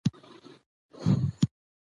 زه غواړم اينده کي يوه ډاکتره اوسم